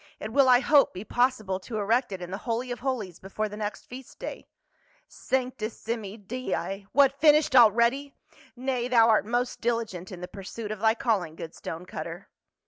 It will, I hope, be possible to erect it in the Holy of Holies before the next feast day." "Sanctissimi dei ! what, finished already? Nay, thou art most diligent in the pursuit of thy calling, good stone cutter."